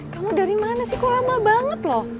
kamu dari mana sih kok lama banget loh